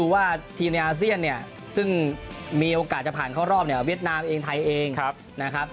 ว่าทีมในอาเซียนเนี่ยซึ่งมีโอกาสจะผ่านเข้ารอบเนี่ยเวียดนามเองไทยเองนะครับ